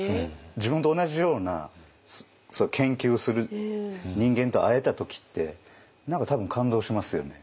自分と同じような研究をする人間と会えた時って何か多分感動しますよね。